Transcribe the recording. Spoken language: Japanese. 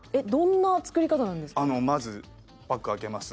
まずパック開けます。